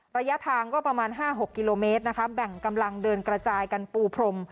ระยะทางก็ประมาณ๕๖กิโลเมตรนะคะแบ่งกำลังเดินกระจายกันปูพรม